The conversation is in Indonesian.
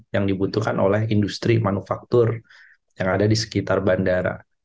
yang dibutuhkan oleh industri manufaktur yang ada di sekitar bandara